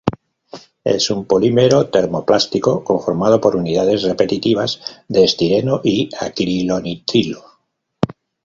Es un polímero termoplástico conformado por unidades repetitivas de estireno y acrilonitrilo.